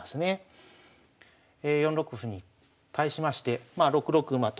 ４六歩に対しまして６六馬と。